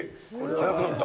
速くなった。